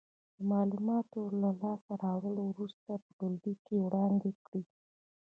د معلوماتو له لاس ته راوړلو وروسته دې په ټولګي کې وړاندې کړې.